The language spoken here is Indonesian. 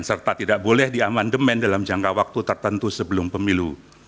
serta tidak boleh diamandemen dalam jangka waktu tertentu sebelum pemilu